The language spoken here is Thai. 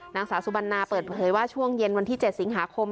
นางสาวสุบันนาเปิดเผยว่าช่วงเย็นวันที่๗สิงหาคม